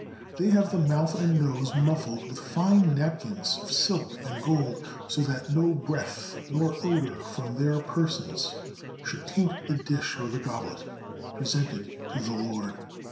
They have the mouth and nose muf fled with fine napkins of silk and gold, so that no breath nor odor from their persons should taint the dish or the goblet presented to the lord.